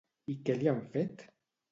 I què li han fet?